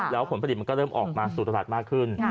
แล้วผลผลิตมันก็เริ่มออกมาสู่ตลาดมากขึ้น